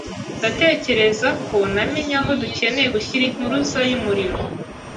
Ndatekereza ko namenye aho dukeneye gushyira impuruza yumuriro.